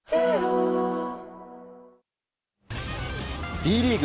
Ｂリーグ